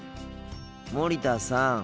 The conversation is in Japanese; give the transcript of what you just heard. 森田さん！